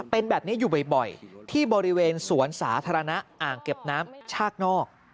เป็นแบบนี้อยู่บ่อยที่บริเวณสวนสาธารณะอ่างเก็บน้ำชากนอก